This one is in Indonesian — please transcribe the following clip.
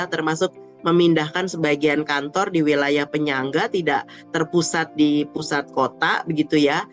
termasuk memindahkan sebagian kantor di wilayah penyangga tidak terpusat di pusat kota begitu ya